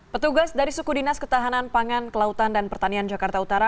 petugas dari suku dinas ketahanan pangan kelautan dan pertanian jakarta utara